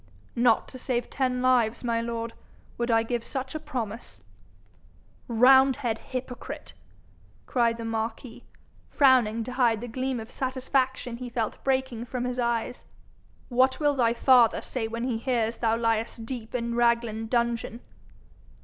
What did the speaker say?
'Not to save ten lives, my lord, would I give such a promise.' 'Roundhead hypocrite!' cried the marquis, frowning to hide the gleam of satisfaction he felt breaking from his eyes. 'What will thy father say when he hears thou liest deep in Raglan dungeon?'